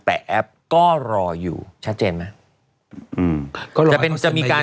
แต่แอปก็รออยู่ชัดเจนไหม